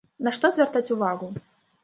На што звяртаць увагу?